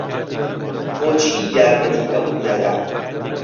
بۆچی یارمەتی ئەوت نەدا؟